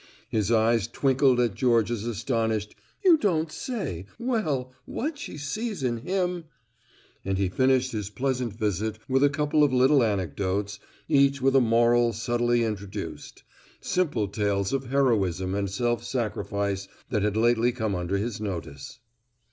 His eyes twinkled at Georgia's astonished "You don't say well, what she sees in him " And he finished his pleasant visit with a couple of little anecdotes, each with a moral subtly introduced; simple tales of heroism and self sacrifice that had lately come under his notice.